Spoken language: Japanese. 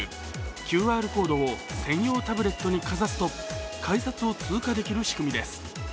ＱＲコードを専用タブレットにかざすと改札を通過できる仕組みです。